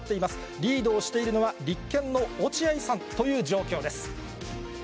リードをしているのは、立憲の落合さんという状況です。